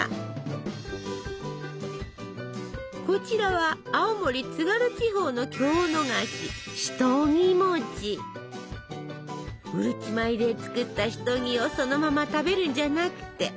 こちらは青森津軽地方の郷土菓子うるち米で作ったシトギをそのまま食べるんじゃなくて。